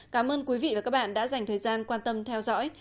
cảm ơn quý vị và các bạn đã dành thời gian quan tâm theo dõi